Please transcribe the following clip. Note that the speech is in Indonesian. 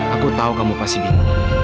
aku tau kamu pasti bingung